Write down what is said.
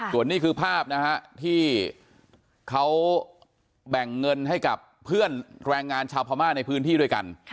ส่วนนี้คือภาพนะฮะที่เขาแบ่งเงินให้กับเพื่อนแรงงานชาวพม่าในพื้นที่ด้วยกัน